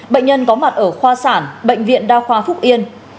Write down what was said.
bệnh nhân có mặt ở khoa sản bệnh viện đa khoa phúc yên